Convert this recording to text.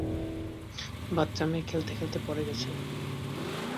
বাচ্চা মেয়ে খেলতে-খেলতে পড়ে গেছে।